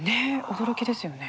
驚きですよね。